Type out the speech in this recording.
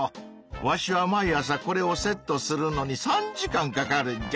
わしは毎朝これをセットするのに３時間かかるんじゃ。